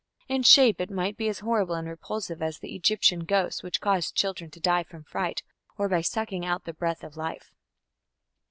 In shape it might be as horrible and repulsive as the Egyptian ghosts which caused children to die from fright or by sucking out the breath of life.